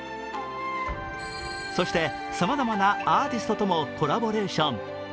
そして、さまざまなアーティストともコラボレーション。